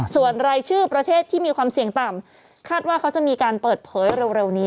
ส่วนรายชื่อประเทศที่มีความเสี่ยงต่ำคาดว่าเขาจะมีการเปิดเผยเร็วนี้